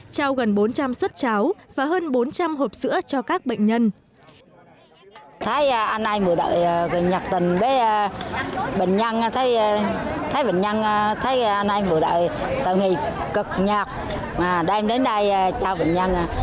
sau gần bốn trăm linh xuất cháo và hơn bốn trăm linh hộp sữa cho các bệnh nhân